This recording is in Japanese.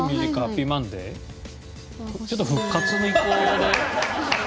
ちょっと復活の意向で。